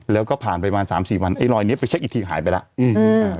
แล้วก็ผ่านไปประมาณ๓๔วันไอ้รอยนี้ไปเช็คอิทธิหายไปแล้ว